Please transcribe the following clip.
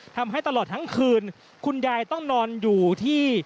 ทำให้ตลอดทั้งคืนคุณยายต้องนอนอยู่ที่